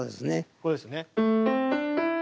これですね。